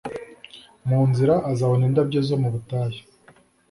mu nzira azabona indabyo zo mu butayu